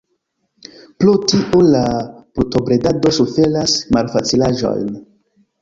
Pro tio la brutobredado suferas malfacilaĵojn.